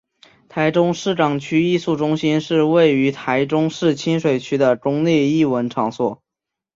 台中市港区艺术中心是位于台中市清水区的公立艺文场所。